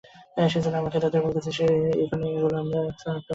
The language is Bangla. সেজন্য আমরা ক্রেতাদের বলতে চাই, এখনই এগুলো অন্যত্র স্থানান্তর সম্ভব না।